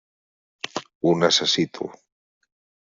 Ho necessito.